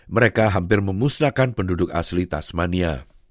mereka hampir memusnahkan penduduk asli tasmania